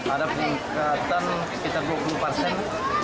ada peningkatan sekitar dua puluh persen